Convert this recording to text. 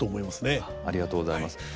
ありがとうございます。